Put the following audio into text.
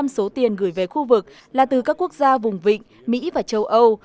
năm mươi số tiền gửi về khu vực là từ các quốc gia vùng vịnh mỹ và châu âu